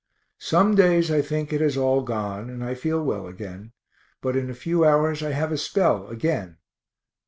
Some days I think it has all gone and I feel well again, but in a few hours I have a spell again.